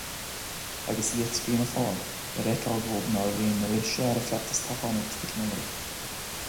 Agus gheit Fianna Fáil ar a fheiceáil dóibh nárbh aon rith searraigh feachtas toghchánaíochta Mhic an Iomaire.